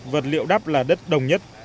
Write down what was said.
vật liệu đắp là đất đồng nhất